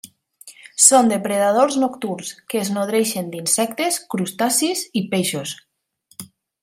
Són depredadors nocturns que es nodreixen d'insectes, crustacis i peixos.